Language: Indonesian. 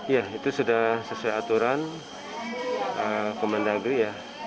ya itu sudah sesuai aturan komando agri ya